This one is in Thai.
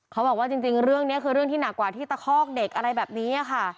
เขาบอกว่าจริงเรื่องนี้คือเรื่องที่หนักกว่าที่ตะคอกเด็กอะไรแบบนี้ค่ะ